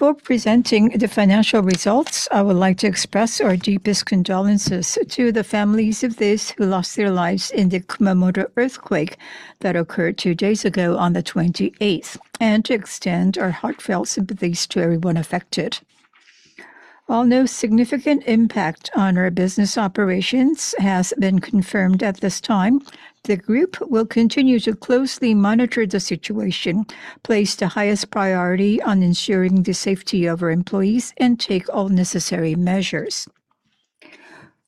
Before presenting the financial results, I would like to express our deepest condolences to the families of those who lost their lives in the Kumamoto earthquake that occurred two days ago on the 28th, and to extend our heartfelt sympathies to everyone affected. While no significant impact on our business operations has been confirmed at this time, the group will continue to closely monitor the situation, place the highest priority on ensuring the safety of our employees, and take all necessary measures.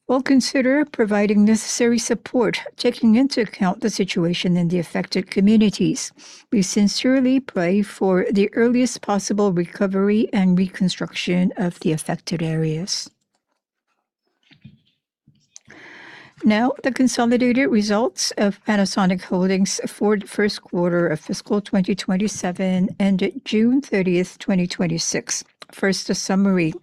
We will consider providing necessary support, taking into account the situation in the affected communities. We sincerely pray for the earliest possible recovery and reconstruction of the affected areas. Now, the consolidated results of Panasonic Holdings for the first quarter of fiscal 2027 ended June 30th, 2026. First, a summary.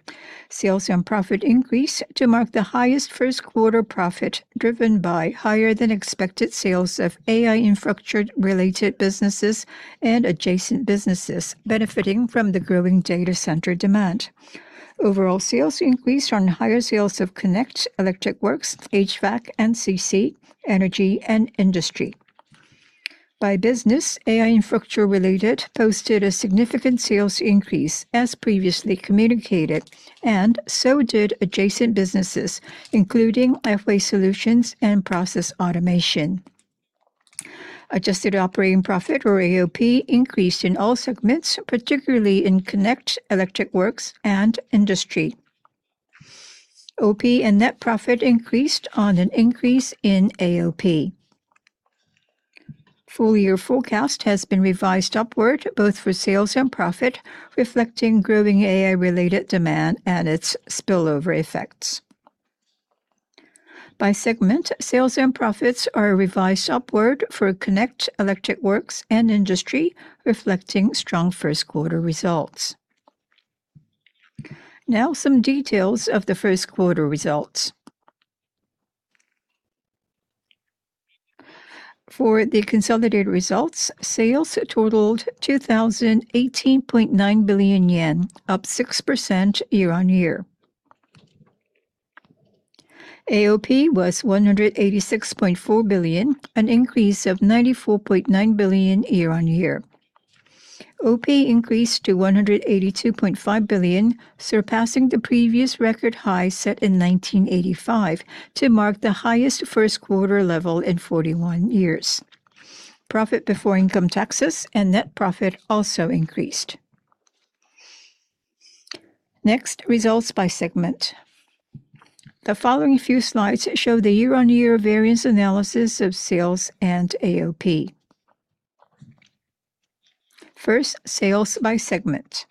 Sales and profit increased to mark the highest first quarter profit, driven by higher than expected sales of AI infrastructure-related businesses and adjacent businesses, benefiting from the growing data center demand. Overall sales increased on higher sales of Panasonic Connect, Panasonic Electric Works, Panasonic HVAC & CC, Panasonic Energy, and Panasonic Industry. By business, AI infrastructure-related posted a significant sales increase as previously communicated, and so did adjacent businesses, including FA solutions and process automation. Adjusted operating profit, or AOP, increased in all segments, particularly in Panasonic Connect, Panasonic Electric Works, and Panasonic Industry. OP and net profit increased on an increase in AOP. Full year forecast has been revised upward both for sales and profit, reflecting growing AI-related demand and its spillover effects. By segment, sales and profits are revised upward for Panasonic Connect, Panasonic Electric Works, and Panasonic Industry, reflecting strong first quarter results. Now, some details of the first quarter results. For the consolidated results, sales totaled 2,018.9 billion yen, up 6% year-on-year. AOP was 186.4 billion, an increase of 94.9 billion year-on-year. OP increased to 182.5 billion, surpassing the previous record high set in 1985 to mark the highest first quarter level in 41 years. Profit before income taxes and net profit also increased. Next, results by segment. The following few slides show the year-on-year variance analysis of sales and AOP. First, sales by segment.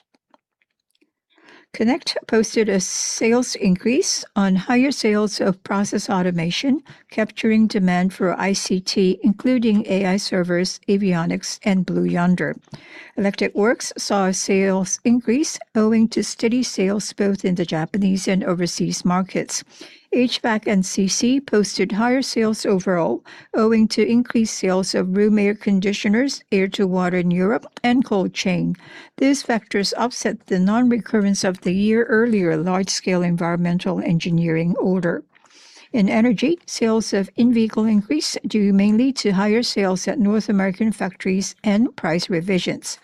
Panasonic Connect posted a sales increase on higher sales of process automation, capturing demand for ICT, including AI servers, avionics, and Blue Yonder. Panasonic Electric Works saw a sales increase owing to steady sales both in the Japanese and overseas markets. Panasonic HVAC & CC posted higher sales overall, owing to increased sales of room air conditioners, air-to-water in Europe, and cold chain. These factors offset the non-recurrence of the year earlier large-scale environmental engineering order. In Panasonic Energy, sales of in-vehicle increased due mainly to higher sales at North American factories and price revisions.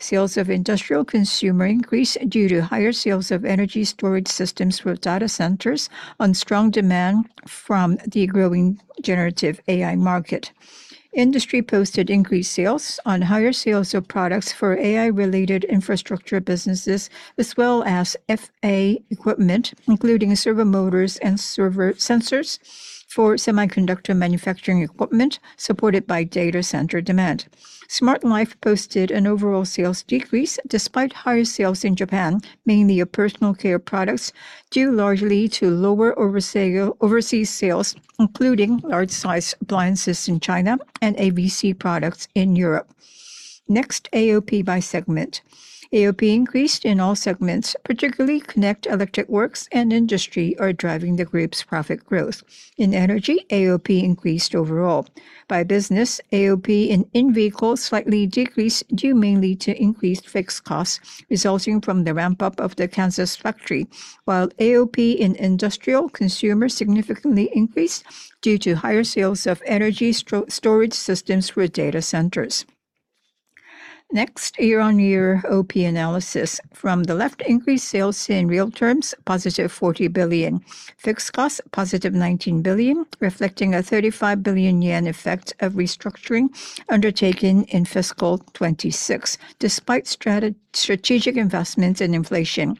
Sales of industrial consumer increased due to higher sales of energy storage systems for data centers on strong demand from the growing generative AI market. Panasonic Industry posted increased sales on higher sales of products for AI-related infrastructure businesses as well as FA equipment, including servo motors and servo sensors for semiconductor manufacturing equipment supported by data center demand. Smart Life posted an overall sales decrease despite higher sales in Japan, mainly of personal care products, due largely to lower overseas sales, including large-size appliances in China and AVC products in Europe. Next, AOP by segment. AOP increased in all segments, particularly Panasonic Connect, Panasonic Electric Works, and Panasonic Industry are driving the group's profit growth. In Panasonic Energy, AOP increased overall. By business, AOP in in-vehicle slightly decreased, due mainly to increased fixed costs resulting from the ramp-up of the Kansas factory, while AOP in industrial consumer significantly increased due to higher sales of energy storage systems for data centers. Next, year-on-year OP analysis. From the left, increased sales in real terms, +40 billion. Fixed costs, +19 billion, reflecting a 35 billion yen effect of restructuring undertaken in fiscal 2026, despite strategic investments and inflation.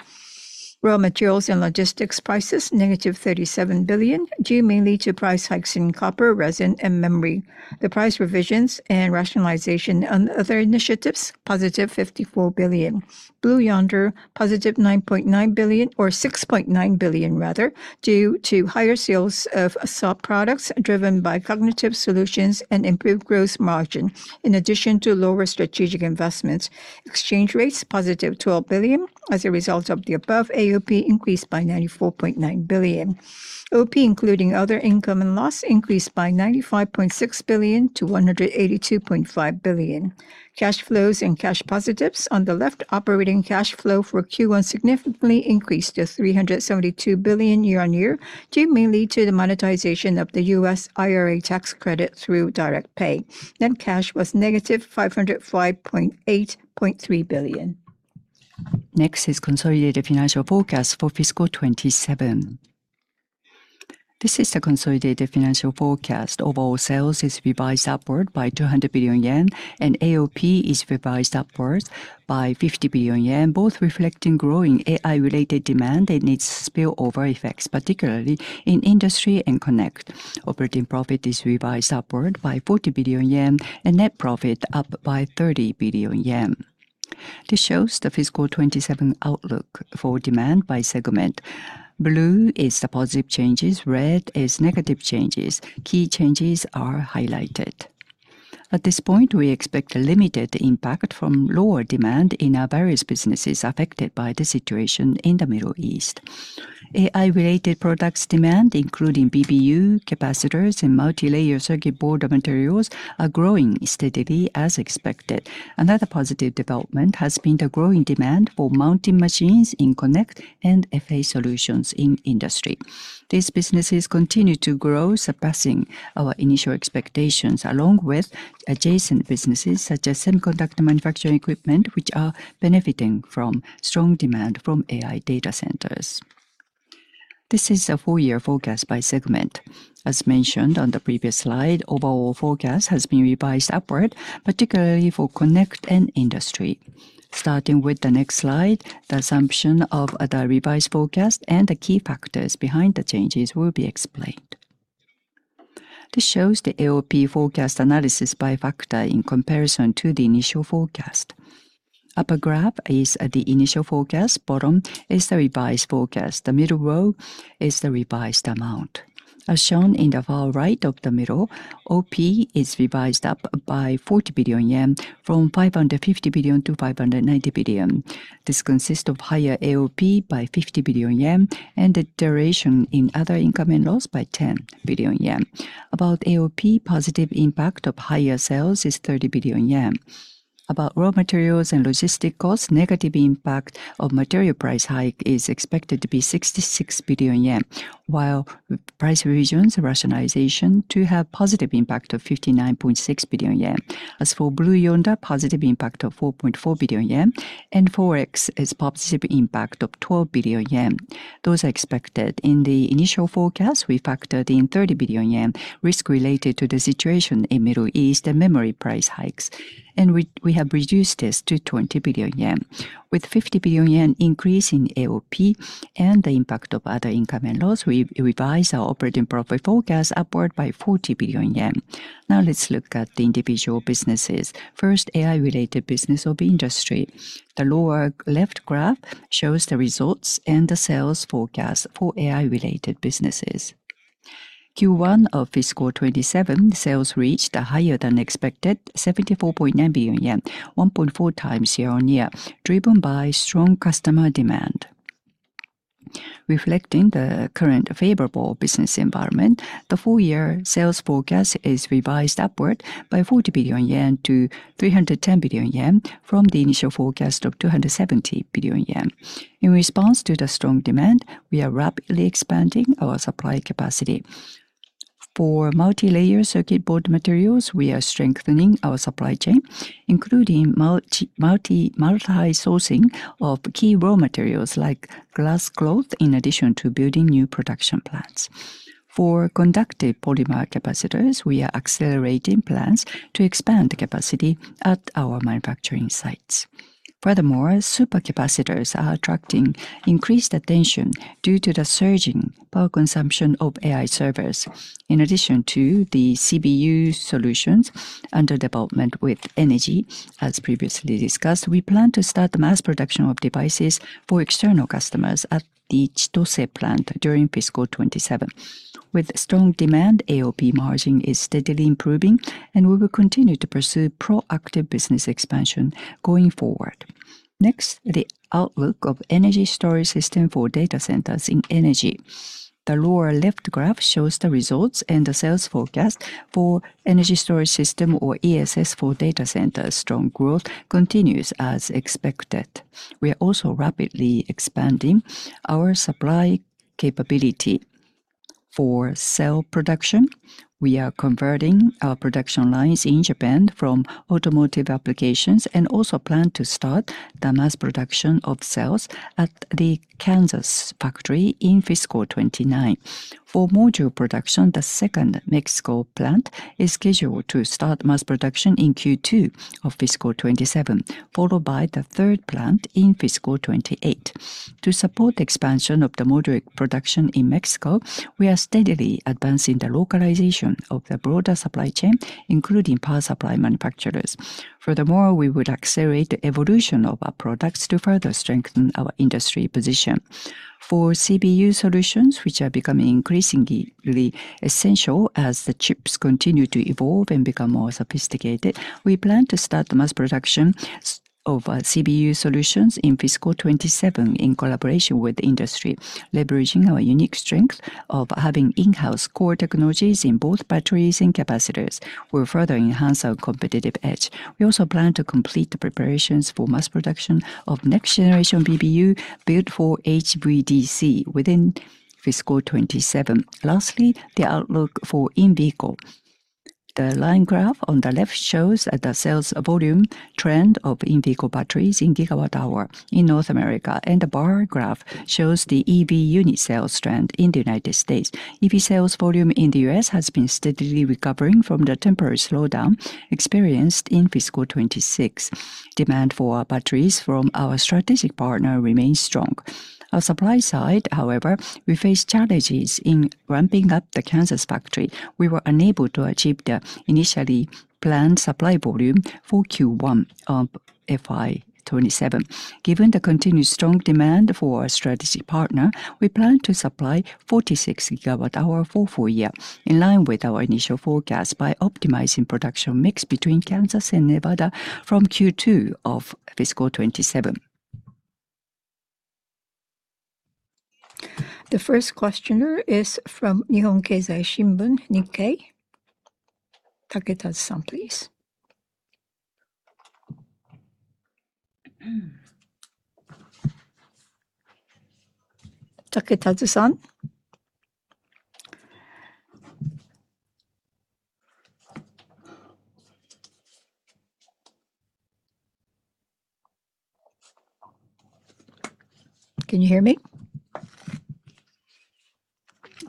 Raw materials and logistics prices, -37 billion, due mainly to price hikes in copper, resin, and memory. The price revisions and rationalization on other initiatives, +54 billion. Blue Yonder, +9.9 billion or 6.9 billion rather, due to higher sales of SAP products driven by Cognitive Solutions and improved gross margin, in addition to lower strategic investments. Exchange rates, +12 billion. As a result of the above, AOP increased by 94.9 billion. OP, including other income and loss, increased by 95.6 billion-182.5 billion. Cash flows and cash positives. On the left, operating cash flow for Q1 significantly increased to 372 billion year-on-year, due mainly to the monetization of the U.S. IRA tax credit through direct pay. Net cash was -505.8 billion. Next is consolidated financial forecast for fiscal 2027. This is the consolidated financial forecast. Overall sales is revised upward by 200 billion yen, and AOP is revised upwards by 50 billion yen, both reflecting growing AI-related demand and its spillover effects, particularly in industry and connect. Operating profit is revised upward by 40 billion yen and net profit up by 30 billion yen. This shows the fiscal 2027 outlook for demand by segment. Blue is the positive changes, red is negative changes. Key changes are highlighted. At this point, we expect a limited impact from lower demand in our various businesses affected by the situation in the Middle East. AI-related products demand, including BBU, capacitors, and multilayer circuit board materials, are growing steadily as expected. Another positive development has been the growing demand for mounting machines in connect and FA solutions in industry. These businesses continue to grow, surpassing our initial expectations, along with adjacent businesses such as semiconductor manufacturing equipment, which are benefiting from strong demand from AI data centers. This is a full-year forecast by segment. As mentioned on the previous slide, overall forecast has been revised upward, particularly for connect and industry. Starting with the next slide, the assumption of the revised forecast and the key factors behind the changes will be explained. This shows the AOP forecast analysis by factor in comparison to the initial forecast. Upper graph is the initial forecast. Bottom is the revised forecast. The middle row is the revised amount. As shown in the far right of the middle, OP is revised up by 40 billion yen from 550 billion-590 billion. This consists of higher AOP by 50 billion yen and a deterioration in other income and loss by 10 billion yen. About AOP, positive impact of higher sales is 30 billion yen. About raw materials and logistic costs, negative impact of material price hike is expected to be 66 billion yen, while price revisions/rationalization to have positive impact of 59.6 billion yen. As for Blue Yonder, positive impact of 4.4 billion yen and Forex has positive impact of 12 billion yen. Those are expected. In the initial forecast, we factored in 30 billion yen risk related to the situation in Middle East and memory price hikes, and we have reduced this to 20 billion yen. With 50 billion yen increase in AOP and the impact of other income and loss, we revised our operating profit forecast upward by 40 billion yen. Now let's look at the individual businesses. First, AI-related business of Industry. The lower-left graph shows the results and the sales forecast for AI-related businesses. Q1 of fiscal 2027, sales reached a higher than expected 74.9 billion yen, 1.4x year-on-year, driven by strong customer demand. Reflecting the current favorable business environment, the full-year sales forecast is revised upward by 40 billion-310 billion yen from the initial forecast of 270 billion yen. In response to the strong demand, we are rapidly expanding our supply capacity. For multilayer circuit board materials, we are strengthening our supply chain, including multi-sourcing of key raw materials like glass cloth, in addition to building new production plants. For conductive polymer capacitors, we are accelerating plans to expand capacity at our manufacturing sites. Furthermore, supercapacitors are attracting increased attention due to the surging power consumption of AI servers. In addition to the CBU solutions under development with Energy, as previously discussed, we plan to start the mass production of devices for external customers at the Chitose plant during fiscal 2027. With strong demand, AOP margin is steadily improving, and we will continue to pursue proactive business expansion going forward. Next, the outlook of energy storage system for data centers in Energy. The lower-left graph shows the results and the sales forecast for energy storage system, or ESS, for data centers. Strong growth continues as expected. We are also rapidly expanding our supply capability. For cell production, we are converting our production lines in Japan from automotive applications and also plan to start the mass production of cells at the Kansas factory in fiscal 2029. For module production, the second Mexico plant is scheduled to start mass production in Q2 of fiscal 2027, followed by the third plant in fiscal 2028. To support expansion of the module production in Mexico, we are steadily advancing the localization of the broader supply chain, including power supply manufacturers. Furthermore, we would accelerate the evolution of our products to further strengthen our Industry position. For CBU solutions, which are becoming increasingly essential as the chips continue to evolve and become more sophisticated, we plan to start the mass production of our CBU solutions in fiscal 2027 in collaboration with the Industry, leveraging our unique strength of having in-house core technologies in both batteries and capacitors. We will further enhance our competitive edge. We also plan to complete the preparations for mass production of next generation BBU built for HVDC within fiscal 2027. Lastly, the outlook for in-vehicle. The line graph on the left shows the sales volume trend of in-vehicle batteries in gigawatt-hour in North America, and the bar graph shows the EV unit sales trend in the U.S. EV sales volume in the U.S. has been steadily recovering from the temporary slowdown experienced in FY 2026. Demand for our batteries from our strategic partner remains strong. On supply side, however, we face challenges in ramping up the Kansas factory. We were unable to achieve the initially planned supply volume for Q1 of FY 2027. Given the continued strong demand for our strategic partner, we plan to supply 46 GWh for full-year, in line with our initial forecast, by optimizing production mix between Kansas and Nevada from Q2 of FY 2027. The first questioner is from Nihon Keizai Shimbun, Nikkei. Taketatsu-san, please. Taketatsu-san? Can you hear me?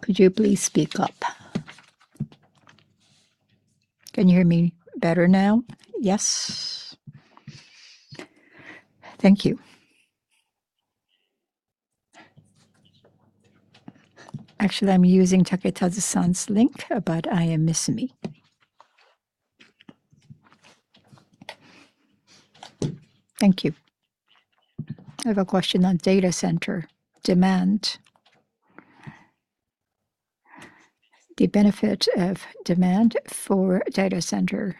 Could you please speak up? Can you hear me better now? Yes. Thank you. Actually, I am using Taketatsu-san's link, but I am Misumi. Thank you. I have a question on data center demand. The benefit of demand for data center,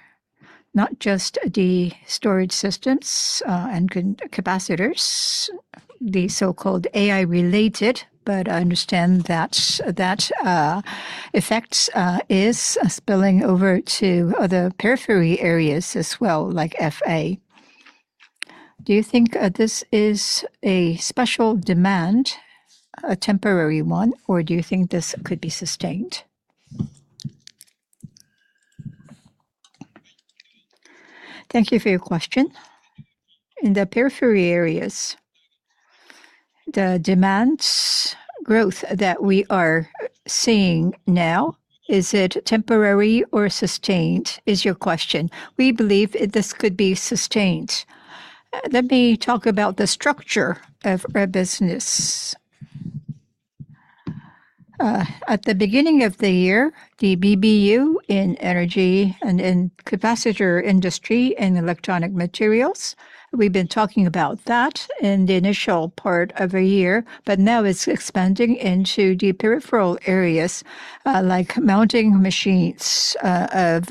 not just the energy storage systems and capacitors, the so-called AI-related, but I understand that effect is spilling over to other periphery areas as well, like FA. Do you think this is a special demand, a temporary one, or do you think this could be sustained? Thank you for your question. In the periphery areas, the demand growth that we are seeing now, is it temporary or sustained? That is your question. We believe this could be sustained. Let me talk about the structure of our business. At the beginning of the year, the BBU in energy and in capacitor industry and electronic materials, we have been talking about that in the initial part of a year, but now it is expanding into the peripheral areas, like mounting machines of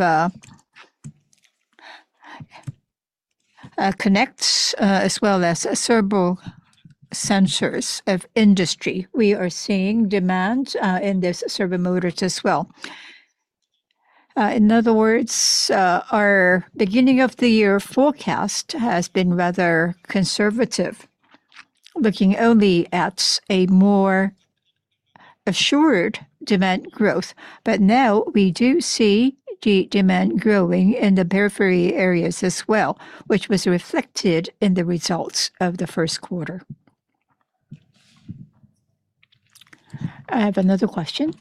Connect, as well as servo sensors of Industry. We are seeing demand in these servo motors as well. In other words, our beginning-of-the-year forecast has been rather conservative, looking only at a more assured demand growth. But now we do see the demand growing in the periphery areas as well, which was reflected in the results of the first quarter. I have another question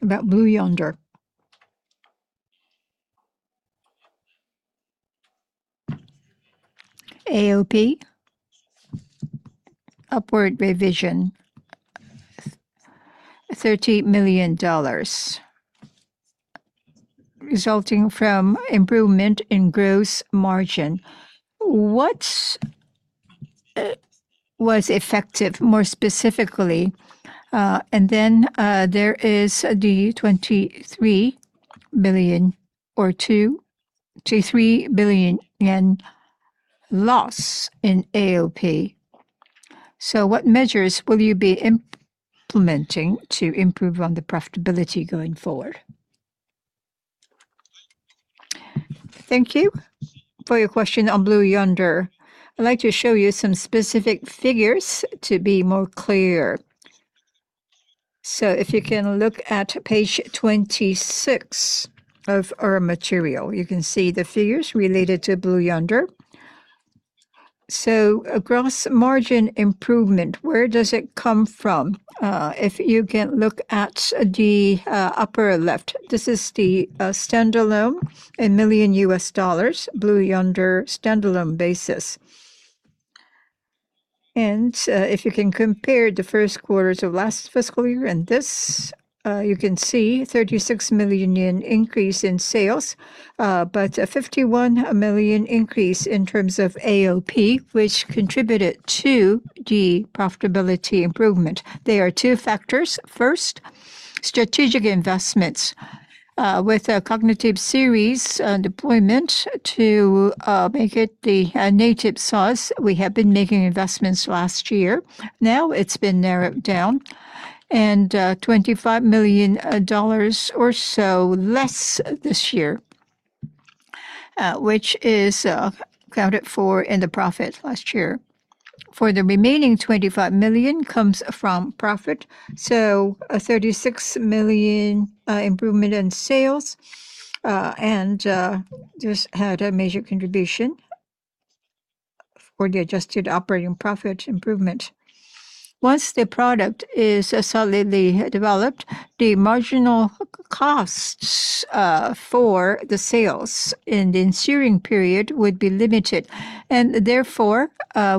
about Blue Yonder. AOP, upward revision, JPY 30 million, resulting from improvement in gross margin. What was effective, more specifically? And then there is the 23 billion, or 23 billion yen in loss in AOP. So what measures will you be implementing to improve on the profitability going forward? Thank you for your question on Blue Yonder. I'd like to show you some specific figures to be more clear. If you can look at page 26 of our material, you can see the figures related to Blue Yonder. A gross margin improvement, where does it come from? If you can look at the upper left, this is the standalone in million U.S. dollars, Blue Yonder standalone basis. If you can compare the first quarters of last fiscal year and this, you can see 36 million yen increase in sales, but a 51 million increase in terms of AOP, which contributed to the profitability improvement. There are two factors. First, strategic investments. With a Cognitive Solutions deployment to make it the native SaaS, we have been making investments last year. Now it has been narrowed down, $25 million or so less this year Which is accounted for in the profit last year. For the remaining $25 million, comes from profit. A 36 million improvement in sales, and this had a major contribution for the adjusted operating profit improvement. Once the product is solidly developed, the marginal costs for the sales in the ensuing period would be limited. Therefore,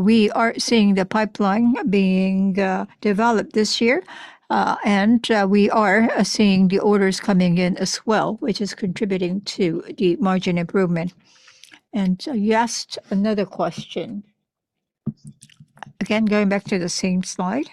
we are seeing the pipeline being developed this year, and we are seeing the orders coming in as well, which is contributing to the margin improvement. You asked another question. Again, going back to the same slide.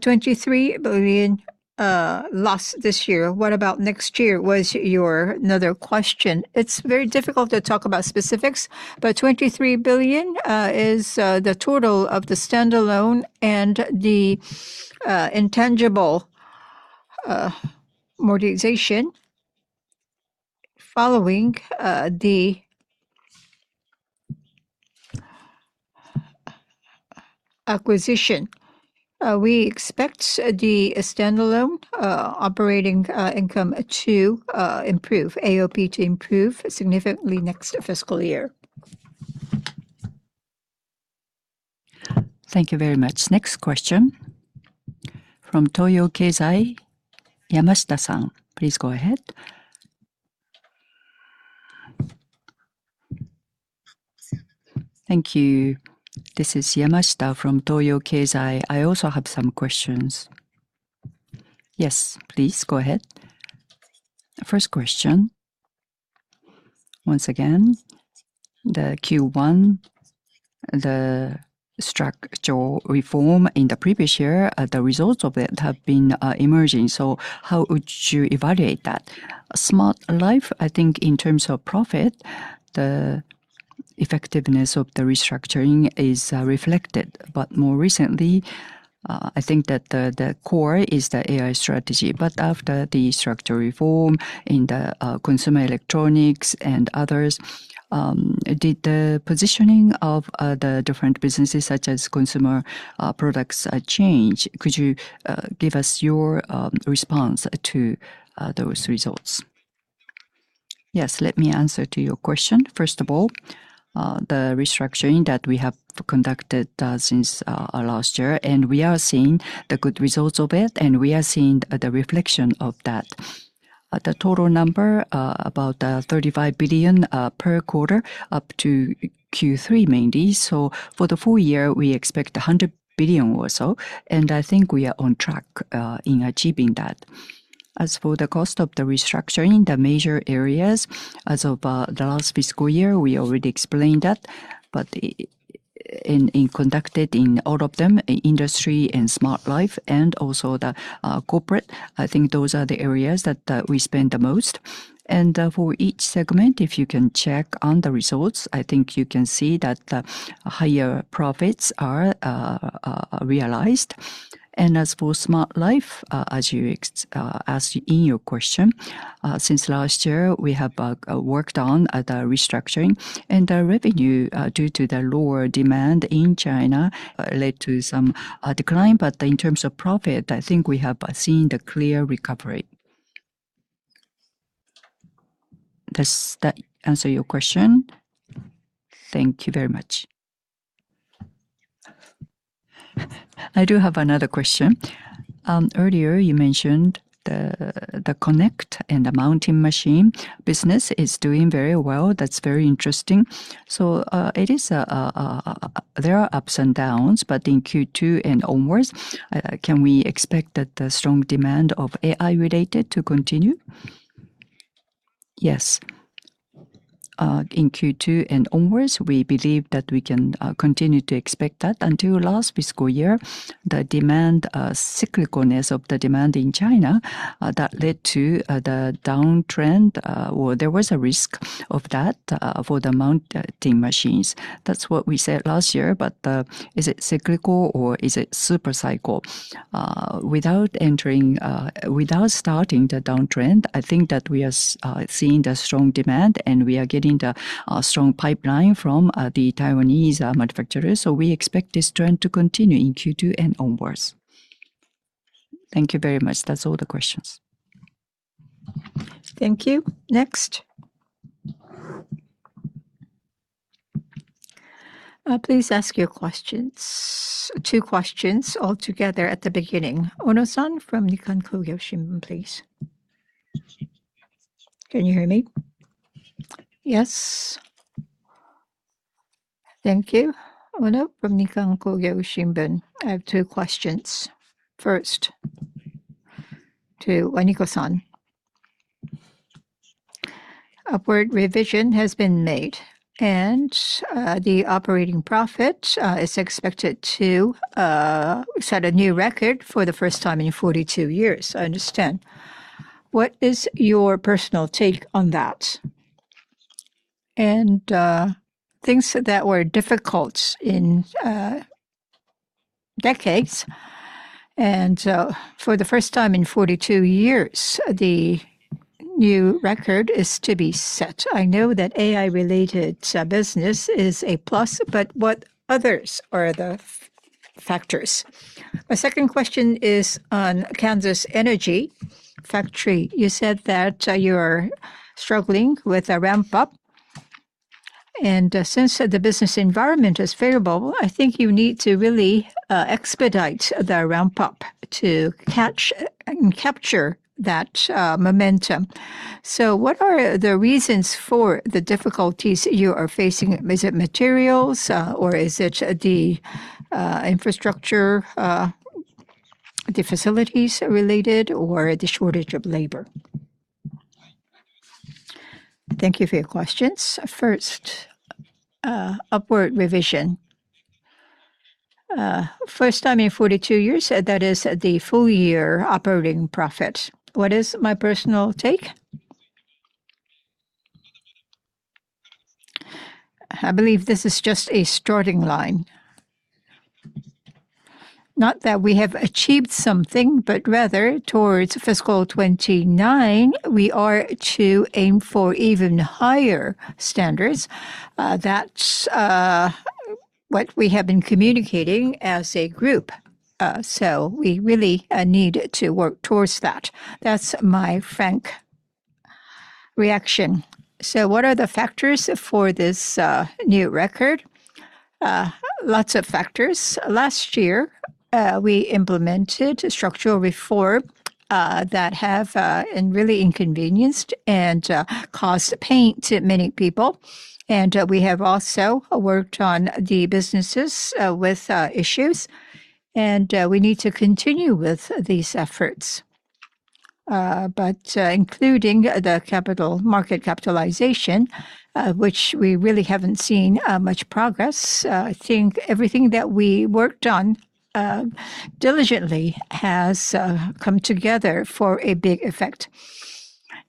23 billion loss this year. What about next year, was your another question. It is very difficult to talk about specifics, but 23 billion is the total of the standalone and the intangible amortization following the acquisition. We expect the standalone operating income to improve, AOP to improve significantly next fiscal year. Thank you very much. Next question from Toyo Keizai, Yamashita-san. Please go ahead. Thank you. This is Yamashita from Toyo Keizai. I also have some questions. Yes, please. Go ahead. First question. Once again, the Q1, the structural reform in the previous year, the results of it have been emerging. How would you evaluate that? Smart Life, I think in terms of profit, the effectiveness of the restructuring is reflected. More recently, I think that the core is the AI strategy. After the structural reform in the consumer electronics and others, did the positioning of the different businesses such as consumer products change? Could you give us your response to those results? Yes, let me answer to your question. First of all, the restructuring that we have conducted since last year, we are seeing the good results of it, and we are seeing the reflection of that. The total number, about 35 billion per quarter up to Q3 mainly. For the full year, we expect 100 billion or so, I think we are on track in achieving that. As for the cost of the restructuring, the major areas as of the last fiscal year, we already explained that. In conducting all of them, Industry and Smart Life, also the corporate, I think those are the areas that we spend the most. For each segment, if you can check on the results, I think you can see that the higher profits are realized. As for Smart Life, as you asked in your question, since last year, we have worked on the restructuring, the revenue, due to the lower demand in China, led to some decline. In terms of profit, I think we have seen the clear recovery. Does that answer your question? Thank you very much. I do have another question. Earlier you mentioned the Connect and the mounting machine business is doing very well. That is very interesting. There are ups and downs, but in Q2 and onwards, can we expect that the strong demand of AI-related to continue? Yes. In Q2 and onwards, we believe that we can continue to expect that. Until last fiscal year, the cyclicalness of the demand in China, that led to the downtrend, or there was a risk of that for the mounting machines. That is what we said last year. Is it cyclical or is it supercycle? Without starting the downtrend, I think that we are seeing the strong demand, and we are getting the strong pipeline from the Taiwanese manufacturers. We expect this trend to continue in Q2 and onwards. Thank you very much. That is all the questions. Thank you. Next. Please ask your questions. Two questions altogether at the beginning. Ono-san from Nikkan Kogyo Shimbun, please. Can you hear me? Yes. Thank you. Ono from Nikkan Kogyo Shimbun. I have two questions. First, to Waniko-san. Upward revision has been made, and the operating profit is expected to set a new record for the first time in 42 years, I understand. What is your personal take on that? Things that were difficult in decades, and so for the first time in 42 years, the new record is to be set. I know that AI-related business is a plus, but what others are the factors? My second question is on Panasonic Energy factory. You said that you are struggling with a ramp-up. Since the business environment is favorable, I think you need to really expedite the ramp-up to capture that momentum. What are the reasons for the difficulties you are facing? Is it materials or is it the infrastructure, the facilities related, or the shortage of labor? Thank you for your questions. First, upward revision. First time in 42 years, that is the full year operating profit. What is my personal take? I believe this is just a starting line. Not that we have achieved something, but rather towards FY 2029, we are to aim for even higher standards. That's what we have been communicating as a group. We really need to work towards that. That's my frank reaction. What are the factors for this new record? Lots of factors. Last year, we implemented structural reform that have really inconvenienced and caused pain to many people. We have also worked on the businesses with issues, and we need to continue with these efforts. Including the capital market capitalization, which we really haven't seen much progress, I think everything that we worked on diligently has come together for a big effect.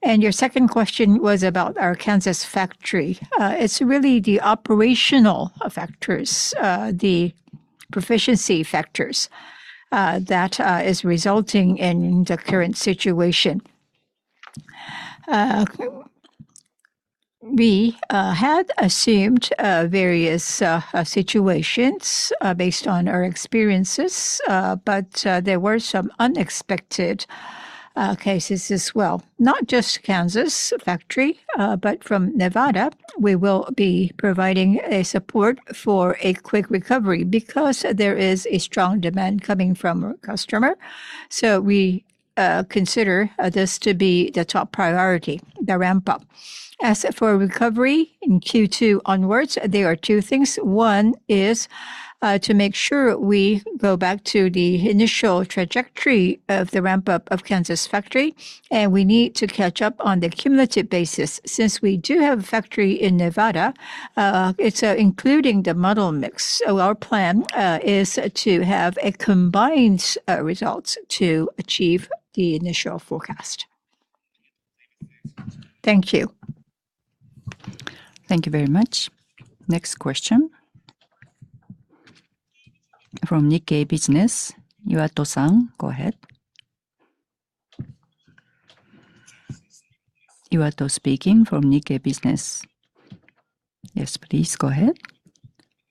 Your second question was about our Kansas factory. It's really the operational factors, the proficiency factors, that is resulting in the current situation. We had assumed various situations based on our experiences, but there were some unexpected cases as well. Not just Kansas factory, but from Nevada. We will be providing a support for a quick recovery because there is a strong demand coming from customer. We consider this to be the top priority, the ramp-up. As for recovery in Q2 onwards, there are two things. One is to make sure we go back to the initial trajectory of the ramp-up of Kansas factory, and we need to catch up on the cumulative basis. Since we do have a factory in Nevada, it's including the model mix. Our plan is to have a combined result to achieve the initial forecast. Thank you. Thank you very much. Next question from Nikkei Business. Yuato-san, go ahead. Yuato speaking from Nikkei Business. Yes, please go ahead.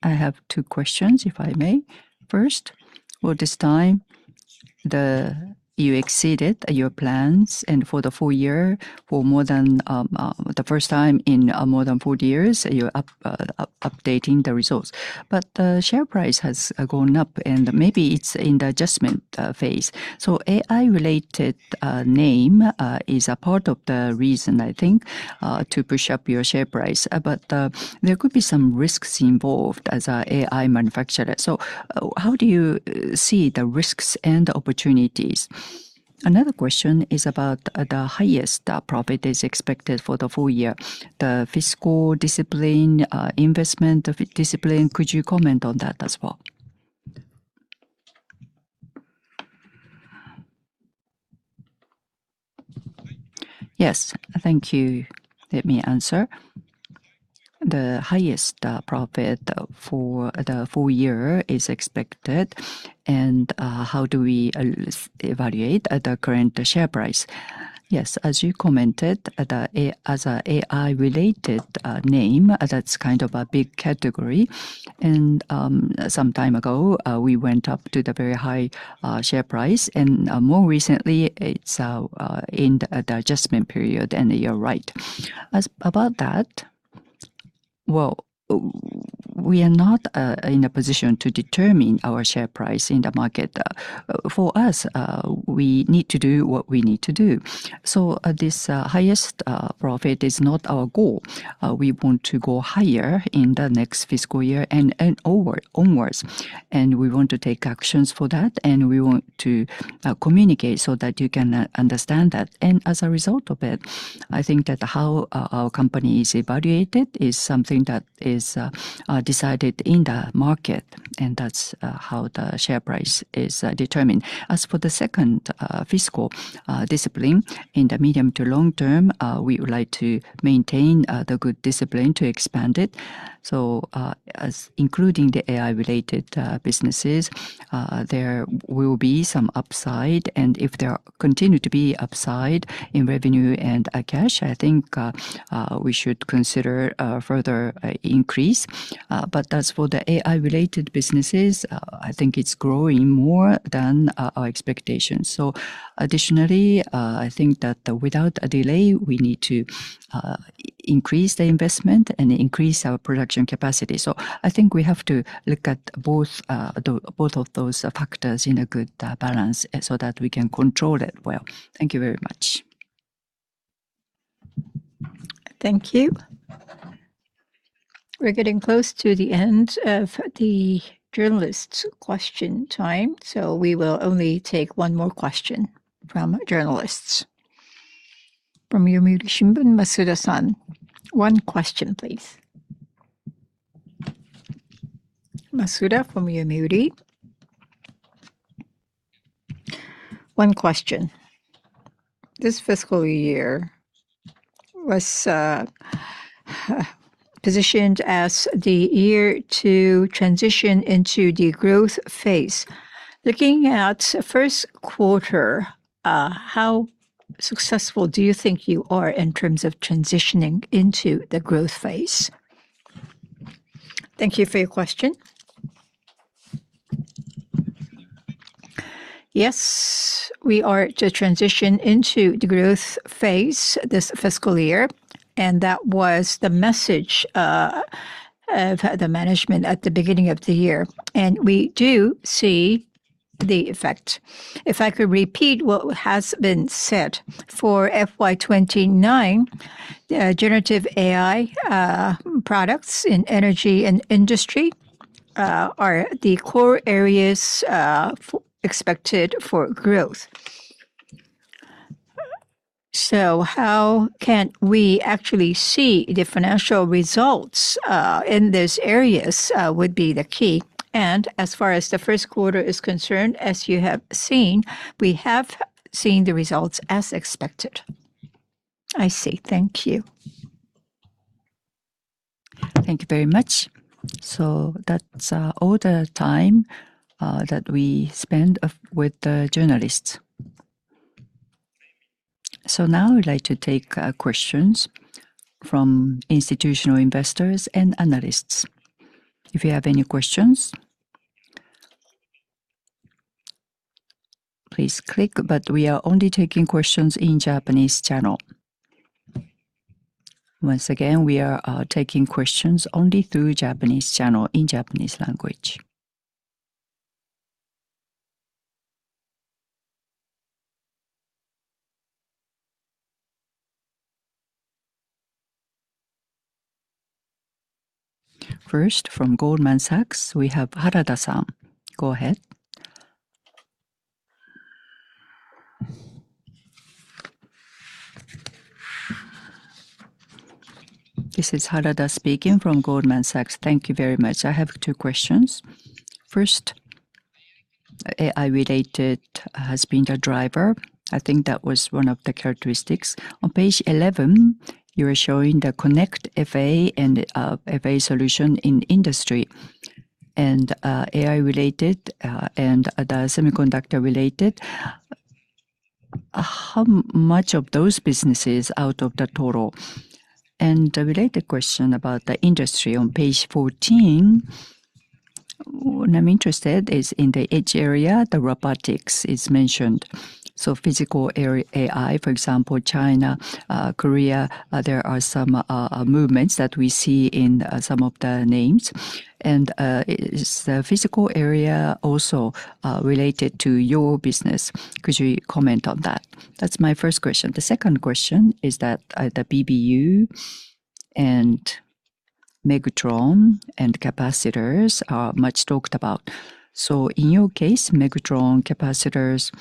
I have two questions, if I may. First, well, this time, you exceeded your plans and for the full year, for the first time in more than 40 years, you're updating the results. The share price has gone up, and maybe it's in the adjustment phase. AI-related name is a part of the reason, I think, to push up your share price. There could be some risks involved as AI manufacturer. How do you see the risks and opportunities? Another question is about the highest profit is expected for the full year. The fiscal discipline, investment discipline, could you comment on that as well? Yes. Thank you. Let me answer. The highest profit for the full year is expected, and how do we evaluate the current share price? Yes, as you commented, as a AI-related name, that's kind of a big category, and some time ago, we went up to the very high share price, and more recently, it's in the adjustment period, and you're right. About that, well, we are not in a position to determine our share price in the market. For us, we need to do what we need to do. This highest profit is not our goal. We want to go higher in the next fiscal year and onwards. We want to take actions for that, and we want to communicate so that you can understand that. As a result of it, I think that how our company is evaluated is something that is decided in the market, and that's how the share price is determined. As for the second fiscal discipline, in the medium to long term, we would like to maintain the good discipline to expand it, so including the AI-related businesses. If there continue to be upside in revenue and cash, I think we should consider a further increase. As for the AI-related businesses, I think it's growing more than our expectations. Additionally, I think that without a delay, we need to increase the investment and increase our production capacity. I think we have to look at both of those factors in a good balance so that we can control it well. Thank you very much. Thank you. We're getting close to the end of the journalists' question time, so we will only take one more question from journalists. From Yomiuri Shimbun, Masuda-san. One question, please. Masuda from Yomiuri. One question. This fiscal year was positioned as the year to transition into the growth phase. Looking at first quarter, how successful do you think you are in terms of transitioning into the growth phase? Thank you for your question. Yes, we are to transition into the growth phase this fiscal year. That was the message of the management at the beginning of the year. We do see the effect. If I could repeat what has been said, for FY 2029, generative AI products in Panasonic Energy and Panasonic Industry are the core areas expected for growth. How can we actually see the financial results in those areas would be the key. As far as the first quarter is concerned, as you have seen, we have seen the results as expected. I see. Thank you. Thank you very much. That's all the time that we spend with the journalists. Now I would like to take questions from institutional investors and analysts. If you have any questions, please click, but we are only taking questions in Japanese channel. Once again, we are taking questions only through Japanese channel in Japanese language. First, from Goldman Sachs, we have Harada-san. Go ahead. This is Harada speaking from Goldman Sachs. Thank you very much. I have two questions. First, AI-related has been the driver. I think that was one of the characteristics. On page 11, you are showing the Panasonic Connect FA and FA solution in Panasonic Industry and AI-related and the semiconductor-related. How much of those businesses out of the total? A related question about the Panasonic Industry on page 14. What I'm interested is in the edge area, the robotics is mentioned. Physical AI, for example, China, Korea, there are some movements that we see in some of the names. Is the physical area also related to your business? Could you comment on that? That's my first question. The second question is that the BBU and MEGTRON and capacitors are much talked about. In your case, MEGTRON capacitors,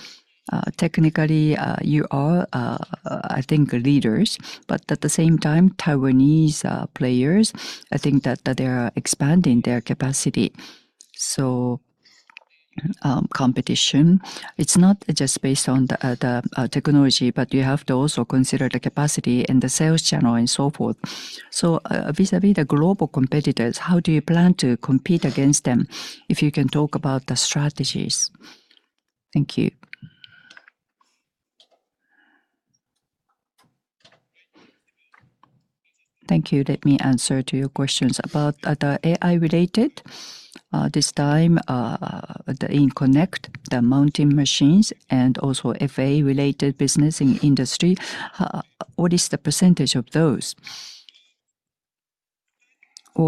technically, you are, I think, leaders, but at the same time, Taiwanese players, I think that they are expanding their capacity. Competition, it's not just based on the technology, but you have to also consider the capacity and the sales channel and so forth. Vis-a-vis the global competitors, how do you plan to compete against them? If you can talk about the strategies. Thank you. Thank you. Let me answer to your questions about the AI-related. This time, in Panasonic Connect, the mounting machines and also FA-related business in Panasonic Industry, what is the percentage of those?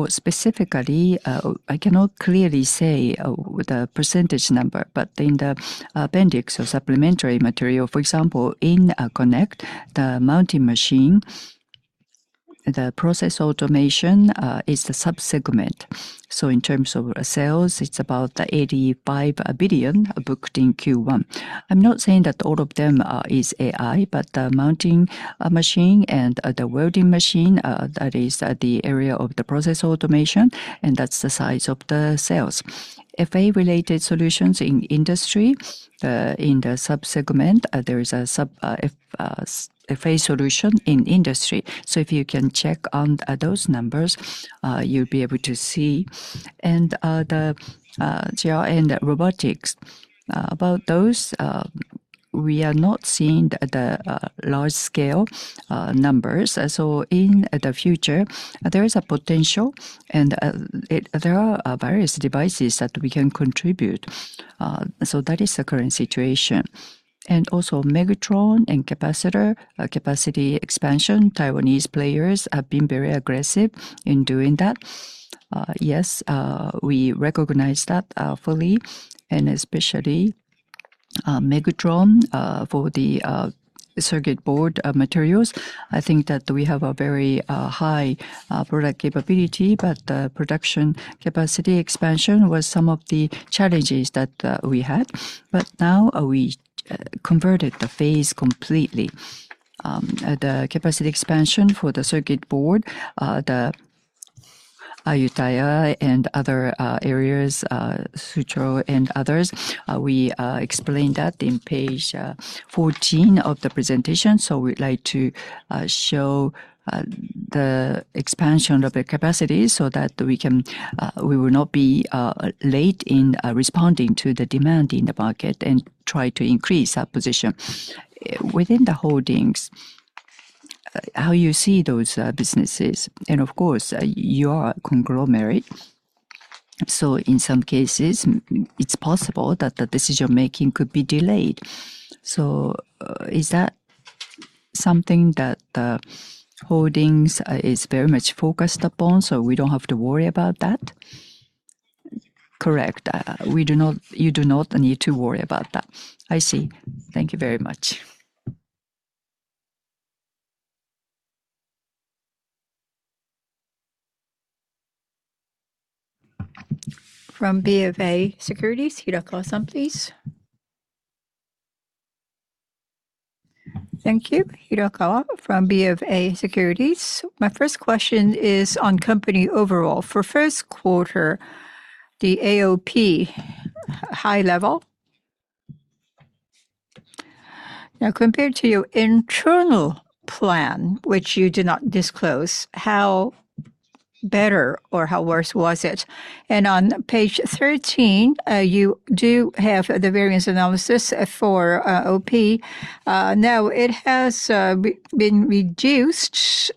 Specifically, I cannot clearly say the percentage number. In the appendix or supplementary material, for example, in Panasonic Connect, the mounting machine, the process automation is the subsegment. In terms of sales, it's about 85 billion booked in Q1. I'm not saying that all of them is AI, but the mounting machine and the welding machine, that is the area of the process automation, and that's the size of the sales. FA-related solutions in Panasonic Industry, in the subsegment, there is a sub FA solution in Panasonic Industry. If you can check on those numbers, you'll be able to see. The GR and robotics, about those We are not seeing the large scale numbers. In the future, there is a potential, and there are various devices that we can contribute. That is the current situation. MEGTRON and capacitor capacity expansion. Taiwanese players have been very aggressive in doing that. Yes, we recognize that fully and especially MEGTRON for the circuit board materials. I think that we have a very high product capability, but production capacity expansion was some of the challenges that we had. Now we converted the phase completely. The capacity expansion for the circuit board, the Ayutthaya and other areas, Sukhothai and others, we explained that in page 14 of the presentation. We would like to show the expansion of the capacity so that we will not be late in responding to the demand in the market and try to increase our position. Within the Holdings, how you see those businesses and of course, you are a conglomerate, in some cases, it's possible that the decision-making could be delayed. Is that something that the Holdings is very much focused upon, so we don't have to worry about that? Correct. You do not need to worry about that. I see. Thank you very much. From BofA Securities, Hirokawa-san, please. Thank you. Hirokawa from BofA Securities. My first question is on company overall. For first quarter, the AOP, high level. Compared to your internal plan, which you did not disclose, how better or how worse was it? On page 13, you do have the variance analysis for OP. It has been reduced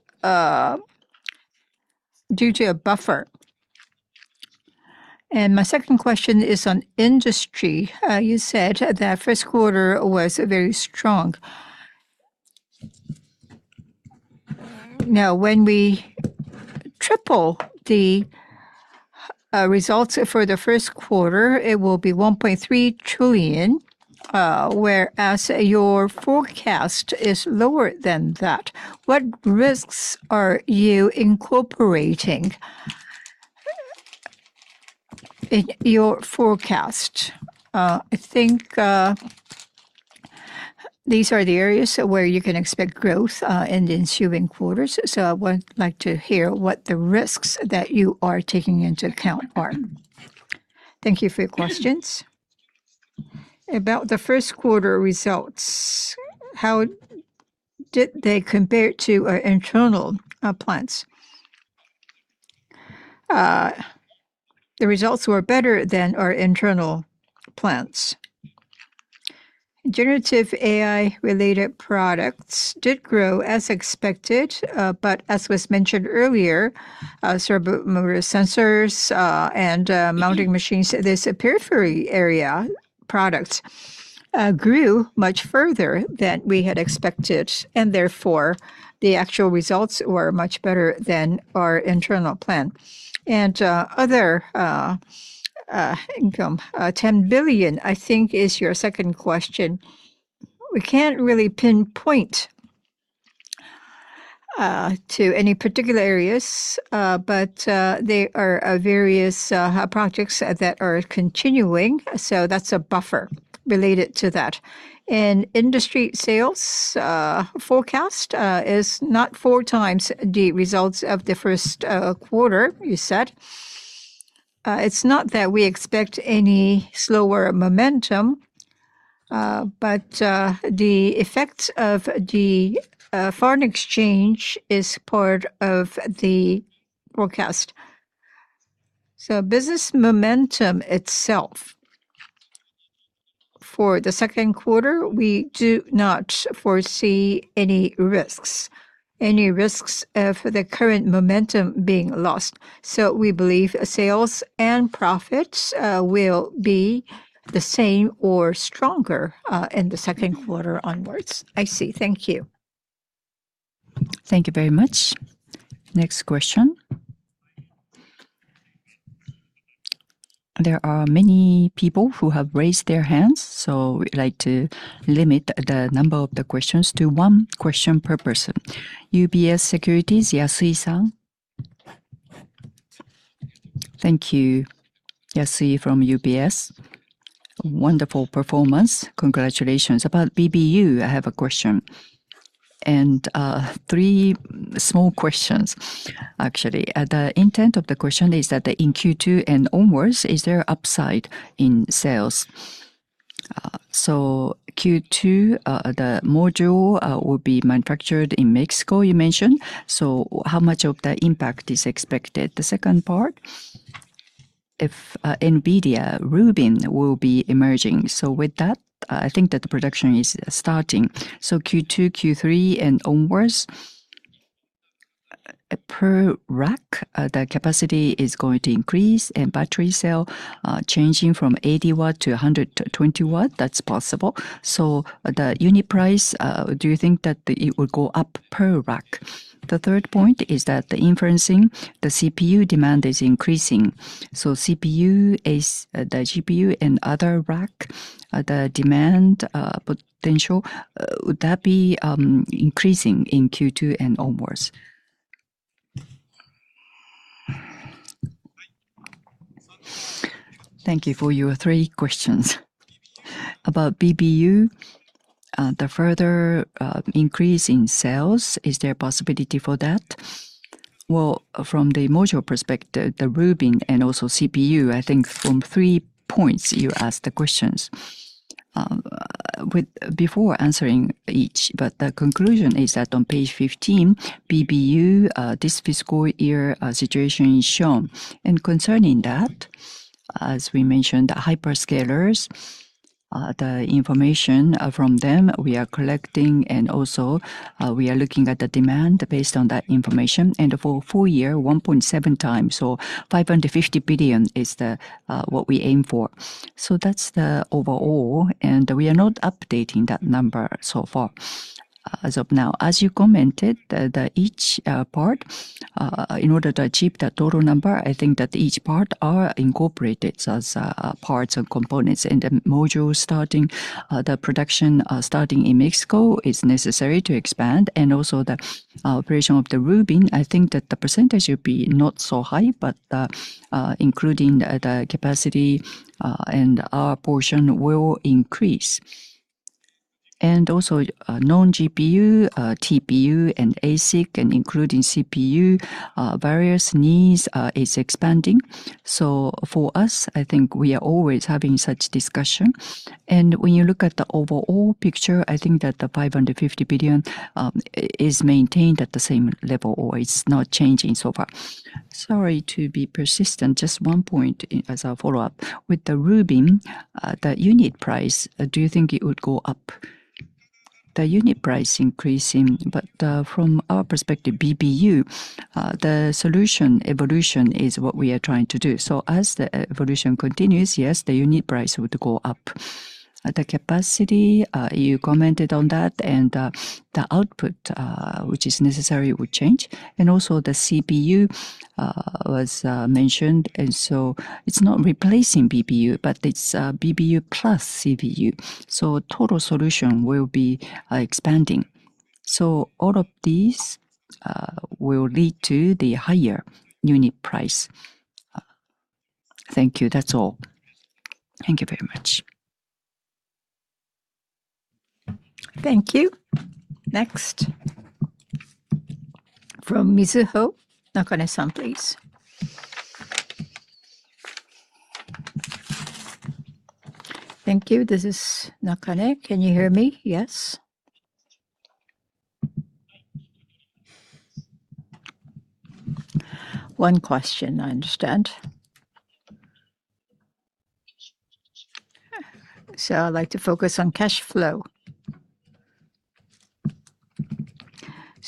due to a buffer. My second question is on industry. You said that first quarter was very strong. When we triple the results for the first quarter, it will be 1.3 trillion, whereas your forecast is lower than that. What risks are you incorporating in your forecast? I think these are the areas where you can expect growth in ensuing quarters. I would like to hear what the risks that you are taking into account are. Thank you for your questions. About the first quarter results, how did they compare to our internal plans? The results were better than our internal plans. Generative AI-related products did grow as expected, but as was mentioned earlier, servo motor sensors and mounting machines, this periphery area products grew much further than we had expected, therefore the actual results were much better than our internal plan. Other income, 10 billion, I think is your second question. We can't really pinpoint to any particular areas, there are various projects that are continuing, that's a buffer related to that. Industry sales forecast is not 4x the results of the first quarter, you said. It's not that we expect any slower momentum, the effect of the foreign exchange is part of the forecast. Business momentum itself for the second quarter, we do not foresee any risks of the current momentum being lost. We believe sales and profits will be the same or stronger in the second quarter onwards. I see. Thank you. Thank you very much. Next question. There are many people who have raised their hands, we'd like to limit the number of the questions to one question per person. UBS Securities, Kenji-san. Thank you. Kenji from UBS. Wonderful performance. Congratulations. About BBU, I have a question, three small questions actually. The intent of the question is that in Q2 and onwards, is there upside in sales? Q2, the module will be manufactured in Mexico, you mentioned. How much of the impact is expected? The second part If NVIDIA Rubin will be emerging. With that, I think that the production is starting. Q2, Q3, and onwards, per rack, the capacity is going to increase, battery cell changing from 80 W-120 W. That's possible. The unit price, do you think that it would go up per rack? The third point is that the inferencing, the CPU demand is increasing. CPU, the GPU, and other rack, the demand potential, would that be increasing in Q2 and onwards? Thank you for your three questions. About PBU, the further increase in sales, is there a possibility for that? From the module perspective, the Rubin and also CPU, I think from three points you asked the questions. Before answering each, the conclusion is that on page 15, PBU, this fiscal year situation is shown. Concerning that, as we mentioned, the hyperscalers, the information from them, we are collecting, also we are looking at the demand based on that information. For full year, 1.7x or 550 billion is what we aim for. That's the overall, we are not updating that number so far as of now. As you commented, each part, in order to achieve that total number, I think that each part are incorporated as parts and components. The module, the production starting in Mexico is necessary to expand. The operation of the Rubin, I think that the percentage will be not so high, but including the capacity and our portion will increase. Non-GPU, TPU, ASIC, including CPU, various needs are expanding. For us, I think we are always having such discussion. When you look at the overall picture, I think that the 550 billion is maintained at the same level, or it's not changing so far. Sorry to be persistent. Just one point as a follow-up. With the Rubin, the unit price, do you think it would go up? The unit price increasing. From our perspective, PBU, the solution evolution is what we are trying to do. As the evolution continues, yes, the unit price would go up. The capacity, you commented on that, the output, which is necessary, would change. The CPU was mentioned, it's not replacing PBU, but it's PBU plus CPU. Total solution will be expanding. All of these will lead to the higher unit price. Thank you. That's all. Thank you very much. Thank you. Next, from Mizuho, Nakane-san, please. Thank you. This is Nakane. Can you hear me? Yes? One question, I understand. I'd like to focus on cash flow.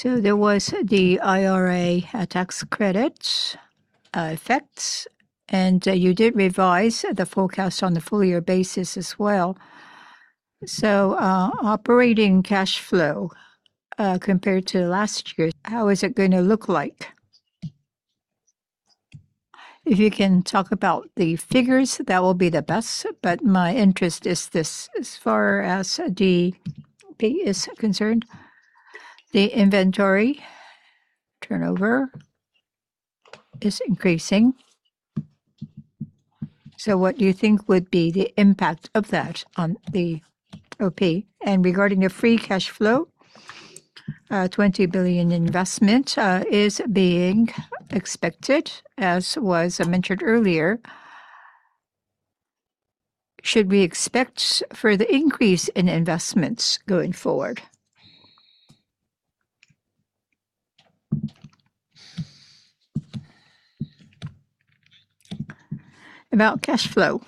There was the IRA tax credit effects, you did revise the forecast on the full year basis as well. Operating cash flow compared to last year, how is it going to look like? If you can talk about the figures, that will be the best, my interest is this. As far as the OP is concerned, the inventory turnover is increasing. What do you think would be the impact of that on the OP? Regarding the free cash flow, 20 billion investment is being expected, as was mentioned earlier. Should we expect further increase in investments going forward? About cash flow.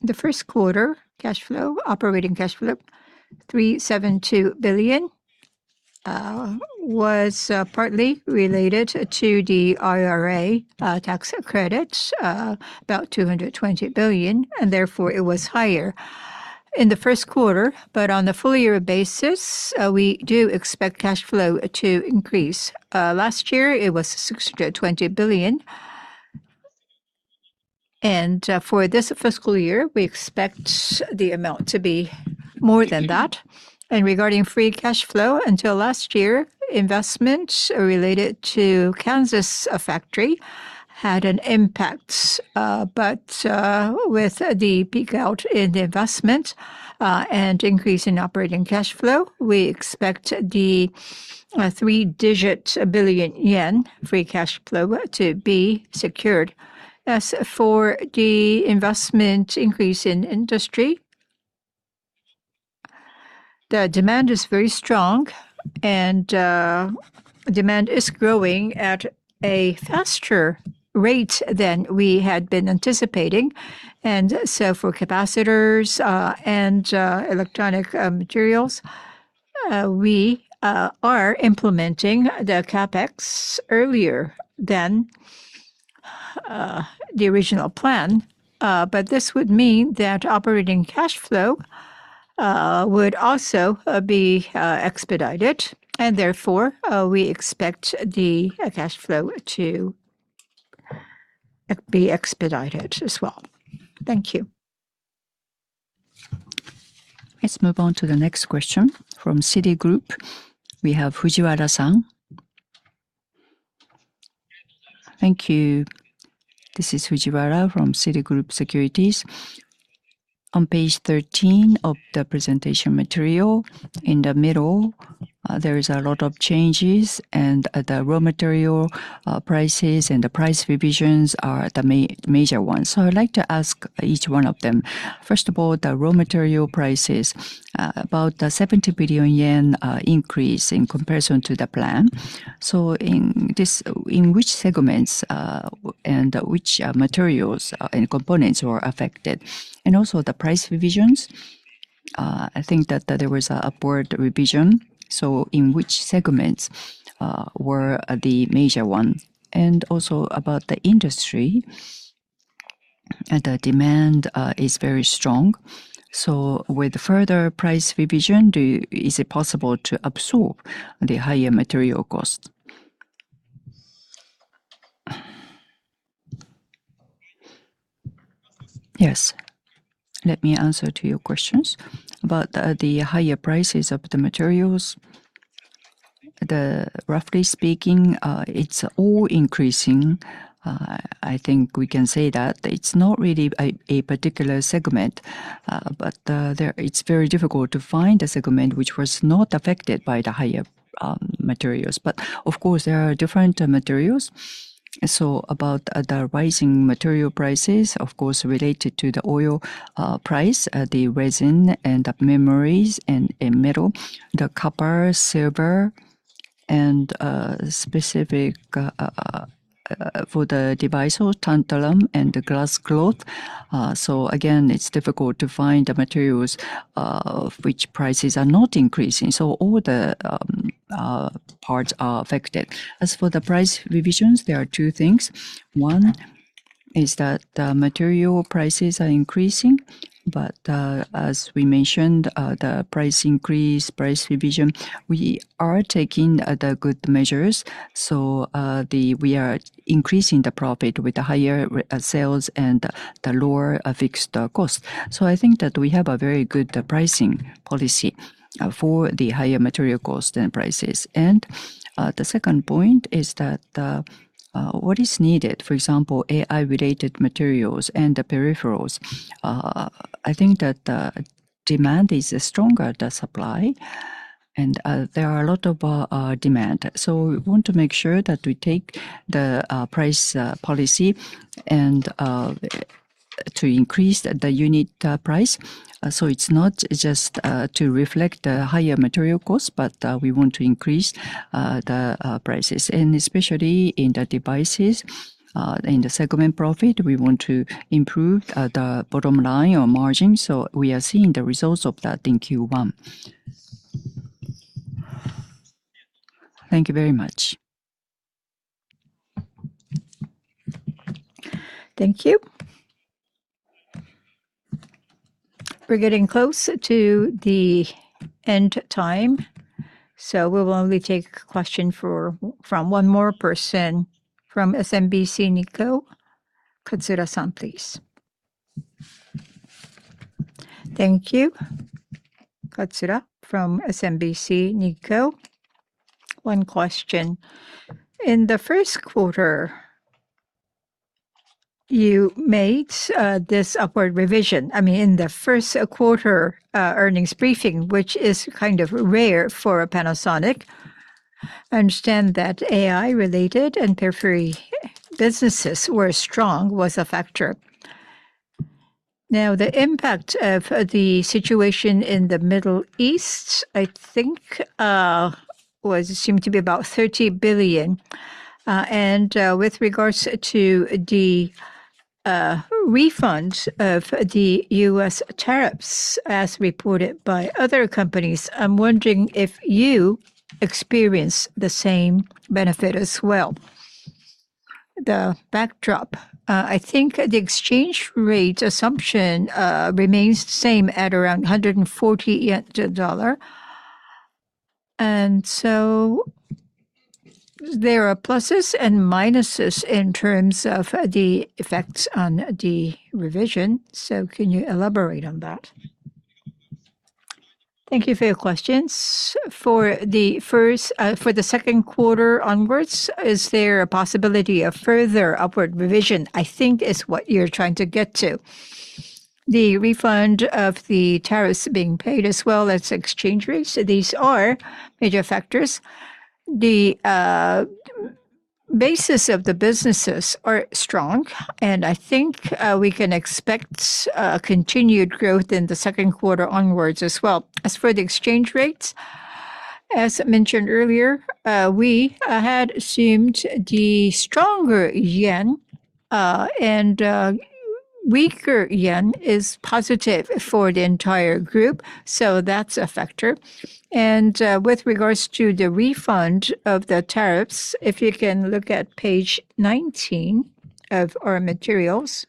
The first quarter cash flow, operating cash flow, 372 billion, was partly related to the IRA tax credit, about 220 billion. Therefore, it was higher in the first quarter. On the full year basis, we do expect cash flow to increase. Last year, it was 620 billion. For this fiscal year, we expect the amount to be more than that. Regarding free cash flow, until last year, investment related to Kansas factory had an impact. With the peak out in the investment and increase in operating cash flow, we expect the three-digit billion yen free cash flow to be secured. As for the investment increase in industry The demand is very strong, and demand is growing at a faster rate than we had been anticipating. For capacitors and electronic materials, we are implementing the CapEx earlier than the original plan. This would mean that operating cash flow would also be expedited. Therefore, we expect the cash flow to be expedited as well. Thank you. Let's move on to the next question from Citigroup. We have Fujiwara-san. Thank you. This is Fujiwara from Citigroup Securities. On page 13 of the presentation material, in the middle, there are a lot of changes. The raw material prices and the price revisions are the major ones. I would like to ask each one of them. First of all, the raw material prices, about 70 billion yen increase in comparison to the plan. In which segments and which materials and components were affected? Also, the price revisions. I think that there was an upward revision. In which segments were the major one? Also, about the industry. The demand is very strong. With further price revision, is it possible to absorb the higher material cost? Yes. Let me answer your questions. About the higher prices of the materials, roughly speaking, it is all increasing. I think we can say that it is not really a particular segment, but it is very difficult to find a segment which was not affected by the higher materials. Of course, there are different materials. About the rising material prices, of course, related to the oil price, the resin, memories, metal, the copper, silver, and specific for the device, tantalum and the glass cloth. Again, it is difficult to find the materials of which prices are not increasing. All the parts are affected. As for the price revisions, there are two things. One is that the material prices are increasing. As we mentioned, the price increase, price revision, we are taking the good measures. We are increasing the profit with the higher sales and the lower fixed cost. I think that we have a very good pricing policy for the higher material cost and prices. The second point is that what is needed, for example, AI-related materials and the peripherals, I think that the demand is stronger, the supply, and there are a lot of demand. We want to make sure that we take the price policy and to increase the unit price. It's not just to reflect the higher material cost, but we want to increase the prices and especially in the devices, in the segment profit, we want to improve the bottom line or margin. We are seeing the results of that in Q1. Thank you very much. Thank you. We're getting close to the end time, we will only take a question from one more person. From SMBC Nikko, Katsura-san, please. Thank you. Katsura from SMBC Nikko. One question. In the first quarter, you made this upward revision. In the first quarter earnings briefing, which is kind of rare for Panasonic. I understand that AI-related and periphery businesses were strong, was a factor. The impact of the situation in the Middle East, I think, seemed to be about 30 billion. With regards to the refund of the U.S. tariffs as reported by other companies, I'm wondering if you experienced the same benefit as well. The backdrop, I think the exchange rate assumption remains the same at around 140 yen to the dollar. There are pluses and minuses in terms of the effects on the revision. Can you elaborate on that? Thank you for your questions. For the second quarter onwards, is there a possibility of further upward revision, I think is what you're trying to get to. The refund of the tariffs being paid as well as exchange rates, these are major factors. Basis of the businesses are strong, and I think we can expect continued growth in the second quarter onwards as well. As for the exchange rates, as mentioned earlier, we had assumed the stronger yen and weaker yen is positive for the entire group, that's a factor. With regards to the refund of the tariffs, if you can look at page 19 of our materials,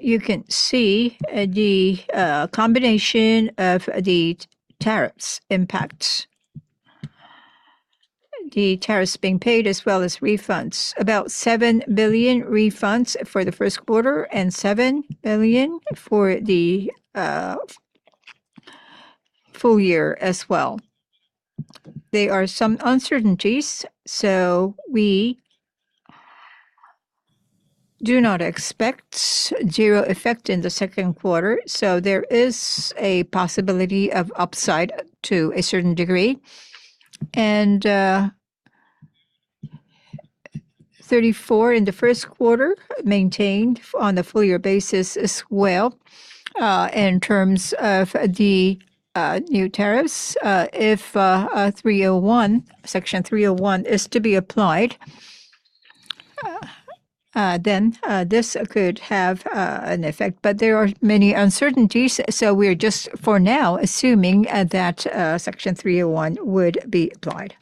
you can see the combination of the tariffs impact. The tariffs being paid as well as refunds. About 7 billion refunds for the first quarter and 7 billion for the full year as well. There are some uncertainties, we do not expect zero effect in the second quarter. There is a possibility of upside to a certain degree. 34 in the first quarter, maintained on the full year basis as well. In terms of the new tariffs, if Section 301 is to be applied, then this could have an effect. There are many uncertainties, we're just for now assuming that Section 301 would be applied.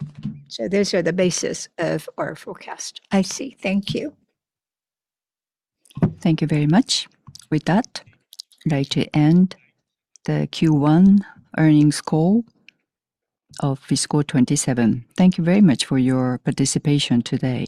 Those are the basis of our forecast. I see. Thank you. Thank you very much. With that, I'd like to end the Q1 earnings call of fiscal 2027. Thank you very much for your participation today.